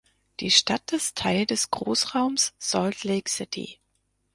Die Stadt ist Teil des Großraums Salt Lake City.